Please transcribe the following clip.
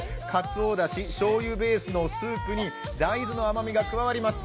鰹だし、しょうゆベースのスープに大豆の甘みが加わります。